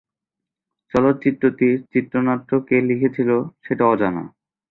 চলচ্চিত্রটির চিত্রনাট্য কে লিখেছিল সেটা অজানা।